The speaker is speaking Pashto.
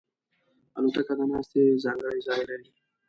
الوتکه د ناستې ځانګړی ځای لري.